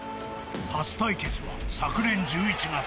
［初対決は昨年１１月］